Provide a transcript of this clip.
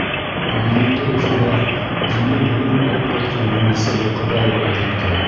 Ғилемде Өфөлә дини белем алып ҡайтҡан Миңниса Йылҡыбаева өйрәткән.